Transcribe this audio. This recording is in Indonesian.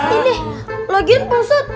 ini lagian bosat